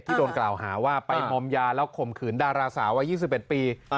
โดนกล่าวหาว่าไปมอมยาแล้วข่มขืนดาราสาววัย๒๑ปี